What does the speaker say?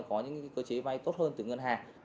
có những cơ chế vay tốt hơn từ ngân hàng